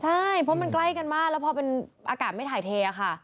ใช่เพราะมันใกล้กันมากแล้วพอเป็นอากาศไม่ถ่ายเทค่ะ